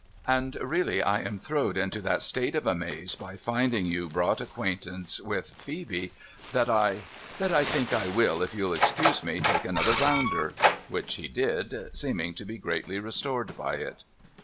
'And really, I am throwed into that state of amaze by finding you brought acquainted with Phoebe, that I — that I think I will, if you'll excuse me, take another rounder.' Which he did, seeming to be greatly restored by it.